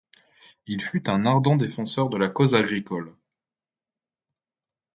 Il fut un ardent défenseur de la cause agricole.